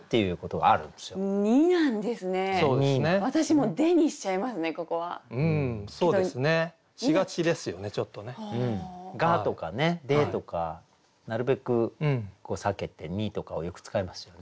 「が」とかね「で」とかなるべく避けて「に」とかをよく使いますよね。